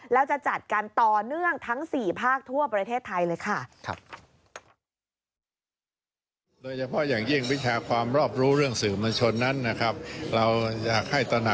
แล้วจะจัดกันต่อเนื่องทั้ง๔ภาคทั่วประเทศไทยเลยค่ะ